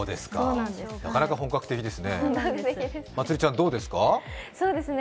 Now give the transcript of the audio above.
なかなか本格的ですね。